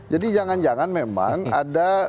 jadi jangan jangan memang ada